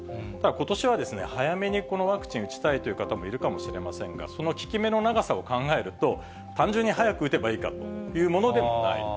ことしは早めにこのワクチン打ちたいという方もいるかもしれませんが、その効き目の長さを考えると、単純に早く打てばいいかというものでもない。